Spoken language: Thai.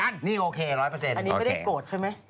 อันนี้ไม่ได้โกรธใช่ไหม